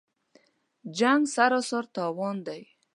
جـنګ سراسر تاوان دی